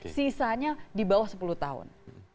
sisanya di bawah sepuluh tahun